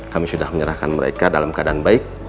kami sudah menyerahkan mereka dalam keadaan baik